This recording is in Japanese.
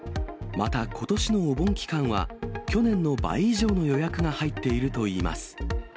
またことしのお盆期間は、去年の倍以上の予約が入っているといいます。